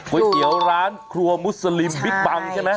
เตี๋ยวร้านครัวมุสลิมบิ๊กบังใช่ไหม